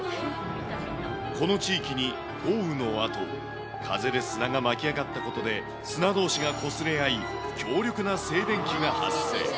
この地域に豪雨のあと、風で砂が巻き上がったことで、砂どうしがこすれ合い、強力な静電気が発生。